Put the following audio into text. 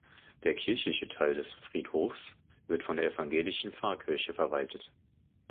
Der kirchliche Teil des Friedhofs wird von der evangelischen Pfarrkirche verwaltet.